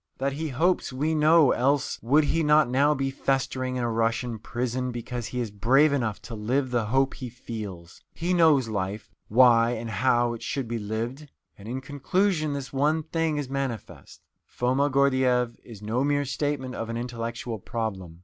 That he hopes, we know, else would he not now be festering in a Russian prison because he is brave enough to live the hope he feels. He knows life, why and how it should be lived. And in conclusion, this one thing is manifest: Foma Gordyeeff is no mere statement of an intellectual problem.